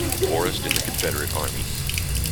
Forrest in the Confederate Army.